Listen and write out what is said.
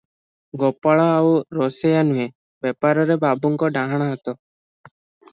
ଗୋପାଳ ଆଉ ରୋଷେଇୟା ନୁହେଁ, ବେପାରରେ ବାବୁଙ୍କ ଡାହାଣ ହାତ ।